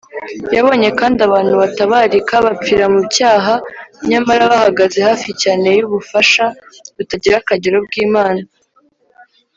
yabonye kandi abantu batabarika bapfira mu cyaha nyamara bahagaze hafi cyane y’ubufasha butagira akagero bw’imana